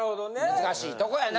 難しいとこやな。